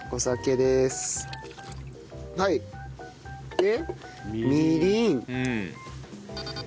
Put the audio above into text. でみりん。